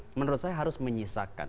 memang itu tidak bisa dikawalikan